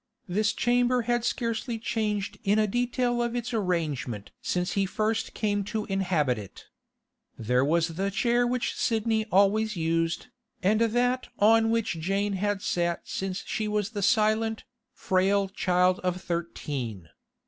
This chamber had scarcely changed in a detail of its arrangement since he first came to inhabit it. There was the chair which Sidney always used, and that on which Jane had sat since she was the silent, frail child of thirteen.